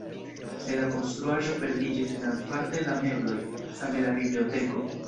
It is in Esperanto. En la konstruaĵo perdiĝis grandparte la mebloj, same la biblioteko.